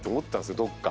どっか。